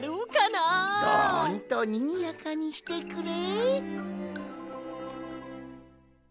どんとにぎやかにしてくれ。